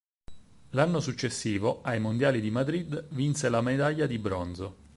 L'anno successivo, ai Mondiali di Madrid vinse la medaglia di bronzo.